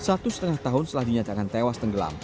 satu setengah tahun setelah dinyatakan tewas tenggelam